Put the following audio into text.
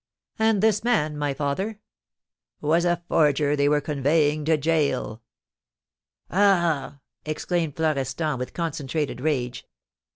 "And this man, my father?" "Was a forger they were conveying to gaol." "Ah!" exclaimed Florestan, with concentrated rage.